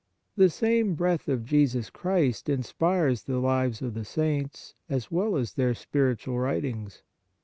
The same breath of Jesus Christ inspires the lives of the Saints as well as their spiritual writings.